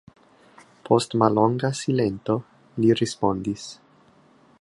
Post mallonga silento, li respondis: